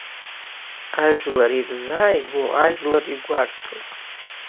Ажәлар ирзааигәоу ажәлар игәарҭоит!